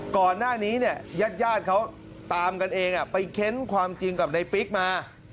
ก่อนหน้านี้เนี่ยญาติญาติเขาตามกันเองไปเค้นความจริงกับในปิ๊กมา